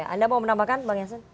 anda mau menambahkan bang jansen